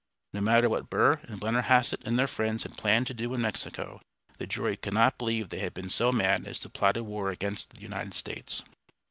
No matter what Burr and Blennerhassett and their friends had planned to do in Mexico, the jury could not believe they had been so mad as to plot a war against the United States.